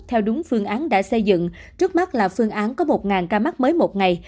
theo đúng phương án đã xây dựng trước mắt là phương án có một ca mắc mới một ngày